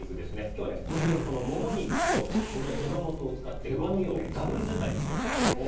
今日は鶏のモモ肉と鶏の手羽元を使ってダブル使いしたいと思います。